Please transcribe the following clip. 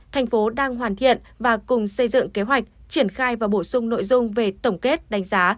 thành phố đang hoàn thiện và cùng xây dựng kế hoạch triển khai và bổ sung nội dung về tổng kết đánh giá